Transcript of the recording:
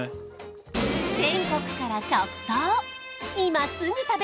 全国から直送！